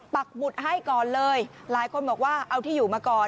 ปักหมุดให้ก่อนเลยหลายคนบอกว่าเอาที่อยู่มาก่อน